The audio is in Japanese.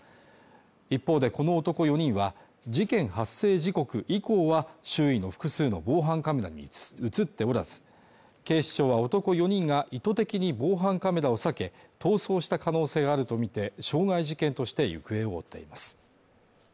一方でこの男４人は事件発生時刻以降は周囲の複数の防犯カメラに映っておらず警視庁は男４人が意図的に防犯カメラを避け逃走した可能性があると見て傷害事件として行方を追っています